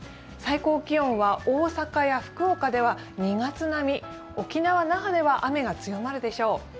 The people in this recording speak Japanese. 最高気温は大阪や福岡では２月並み沖縄・那覇では雨が強まるでしょう